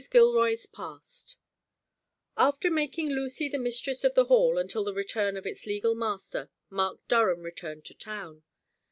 GILROY'S PAST After making Lucy the mistress of the Hall until the return of its legal master, Mark Durham returned to town.